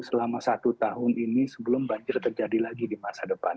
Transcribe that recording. selama satu tahun ini sebelum banjir terjadi lagi di masa depan